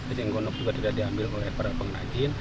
eceng gondok juga tidak diambil oleh para pengrajin